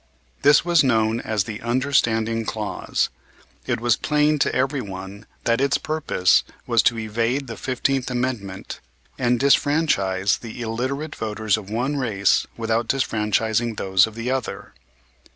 This was known as the "understanding clause." It was plain to every one that its purpose was to evade the Fifteenth Amendment, and disfranchise the illiterate voters of one race without disfranchising those of the other.